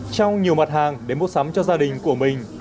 trong nhiều mặt hàng đến bộ sắm cho gia đình của mình